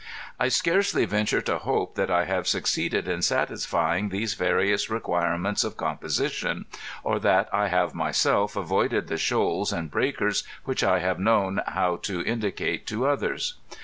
I scarcely venture to hope that I have succeeded in satisfying these various requirements of composition, or that I have myself avoided the shoals and breakers which I have known how to indicate to others.